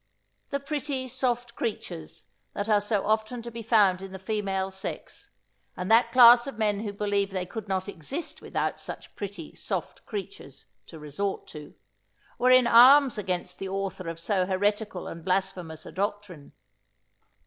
The pretty, soft creatures that are so often to be found in the female sex, and that class of men who believe they could not exist without such pretty, soft creatures to resort to, were in arms against the author of so heretical and blasphemous a doctrine.